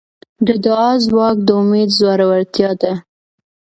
د دعا ځواک د امید زړورتیا ده.